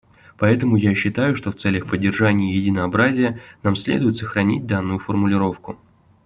Поэтому я считаю, что в целях поддержания единообразия нам следует сохранить данную формулировку.